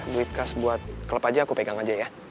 duit khas buat klub aja aku pegang aja ya